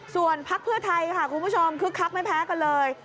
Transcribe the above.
ส่วนพักเพื่อไทยค่ะคุณผู้ชมคึกคักไม่แพ้กันเลย